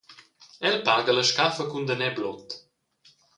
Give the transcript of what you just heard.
El paga la scaffa cun daner blut.